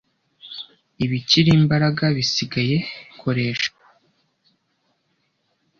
'Ibikiri imbaraga bisigaye, koresha